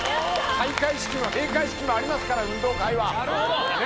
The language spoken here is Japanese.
開会式も閉会式もありますから運動会は。